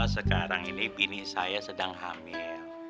sekarang ini bini saya sedang hamil